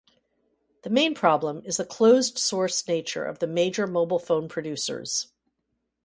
The main problem is the closed-source nature of the major mobile phone producers.